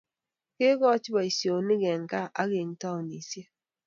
Kekoch boisionik eng gaa ak eng taonisiek.